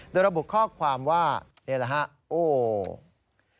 โดยระบุข้อความว่านี่แหละฮะโอ้โฮ